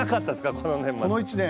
この１年？